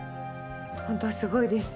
本当すごいです。